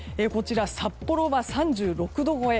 札幌は３６度超え。